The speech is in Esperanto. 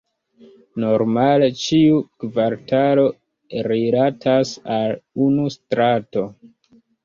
Normale ĉiu kvartalo rilatas al unu strato.